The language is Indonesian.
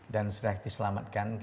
dan sudah diselamatkan